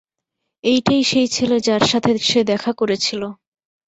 এইটাই সেই ছেলে যার সাথে সে দেখা করেছিল।